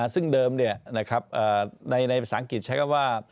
ซึ่งเดิมในภาษาอังกฤษใช้คำว่า